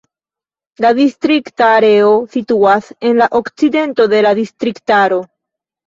La distrikta areo situas en la okcidento de la distriktaro.